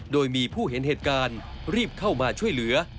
โดยมีผู้เห็นเหตุการณ์รีบเข้ามาช่วยเหลือ